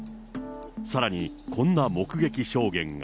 さらにこんな目撃証言が。